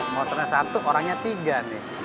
motornya satu orangnya tiga nih